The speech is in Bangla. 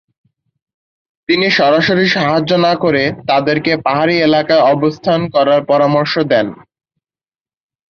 তিনি সরাসরি সাহায্য না করে তাদেরকে পাহাড়ী এলকায় অবস্থান করার পরামর্শ দেন।